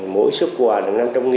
mỗi xuất quà là năm trăm linh